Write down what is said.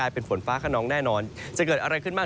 เป็นฝนฟ้าขนองแน่นอนจะเกิดอะไรขึ้นบ้าง